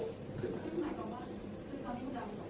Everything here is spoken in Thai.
คุณหมายบอกว่าคือความที่เราสงสัยว่า๑คนเป็นแรกหรือว่า๒๓คนเป็นหลัง